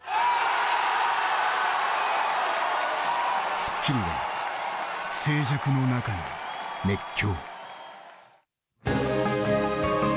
『スッキリ』は静寂の中の熱狂。